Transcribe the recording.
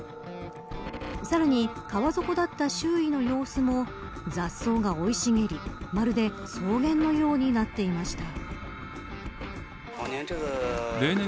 さらに、川底だった周囲の様子も雑草が生い茂りまるで草原のようになっていました。